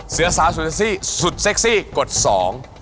เสื้อสาสุดเซ็กซี่กดสอง